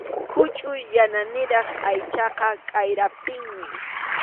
Huchʼuy yananiraq aychaqa k’ayrapinmi.